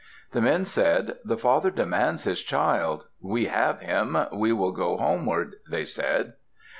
The men said, "The father demands his child. We have him; we will go homeward," they said.